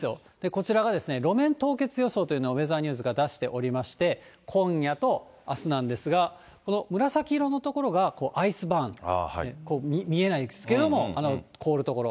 こちらが、路面凍結予想というのをウェザーニューズが出しておりまして、今夜とあすなんですが、この紫色の所がアイスバーン、見えないですけど、凍る所。